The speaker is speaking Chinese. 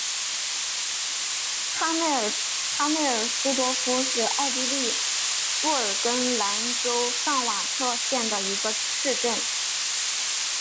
哈内尔斯多夫是奥地利布尔根兰州上瓦特县的一个市镇。